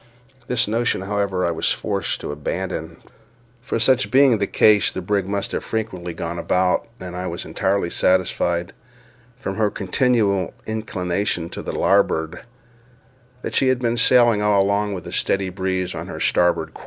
This notion, however, I was forced to abandon; for such being the case, the brig must have frequently gone about; and I was entirely satisfied, from her continual inclination to the larboard, that she had been sailing all along with a steady breeze on her starboard quarter.